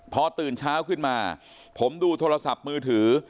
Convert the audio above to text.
พอตื่นเช้าขึ้นมาผมดูโทรศัพท์มือถือ